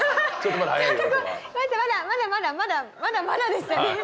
まだまだまだまだまだまだまだでしたね。